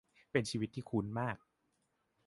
เป็นชีวิตที่คุ้นมาก